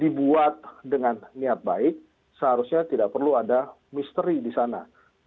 dibuat dengan niat baik seharusnya tidak perlu ada misteri di sana